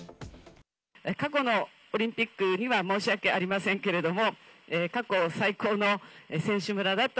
過去のオリンピックには申し訳ありませんけれども、過去最高の選手村だと。